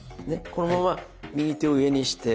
このまま右手を上にして。